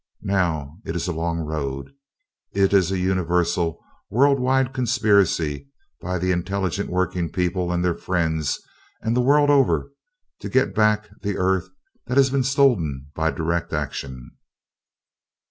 Now, it is a long road. It is a universal, world wide conspiracy by the intelligent working people and by their friends the world over to get back the earth that has been stolen by direct action.